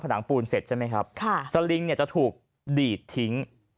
ผนังปูนเสร็จสลิงจะถูกดีดทิ้ง